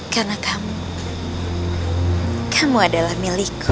karena kamu kamu adalah milikku